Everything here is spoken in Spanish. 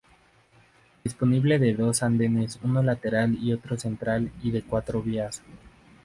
Dispone de dos andenes uno lateral y otro central y de cuatro vías.